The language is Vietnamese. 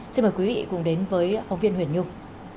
xin mời quý vị cùng đến với phóng viên huyền nhung